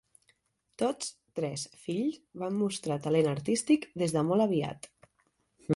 Tots tres fills van mostrar talent artístic des de molt aviat.